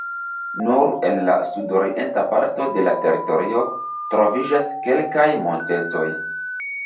Nur en la sudorienta parto de la teritorio troviĝas kelkaj montetoj.